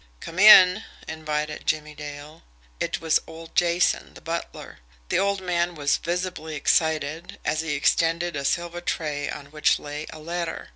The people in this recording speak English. "Come in," invited Jimmie Dale. It was old Jason, the butler. The old man was visibly excited, as he extended a silver tray on which lay a letter.